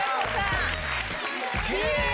きれい！